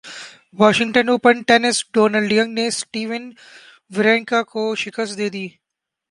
Washington Open ٹینسڈونلڈینگ نے Stan Wawrinka کو شکست دیدی